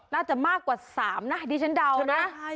น่าจะมากกว่า๓นะดิฉันเดานะ